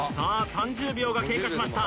３０秒が経過しました